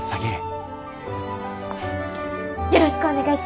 よろしくお願いします！